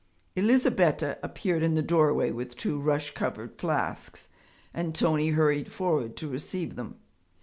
Elizabetta appeared in the doorway with two rush covered flasks, and Tony hurried forward to receive them.